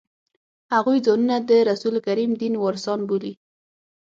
هغوی ځانونه د رسول کریم دین وارثان بولي.